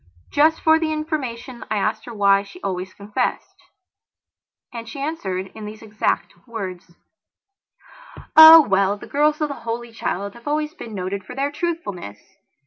Just for the information I asked her why she always confessed, and she answered in these exact words: "Oh, well, the girls of the Holy Child have always been noted for their truthfulness.